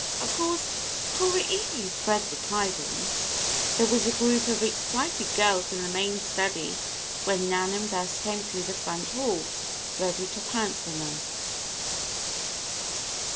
Of course, Cora eagerly spread the tidings. There was a group of excited girls in the main study when Nan and Bess came through the front hall, ready to pounce on them.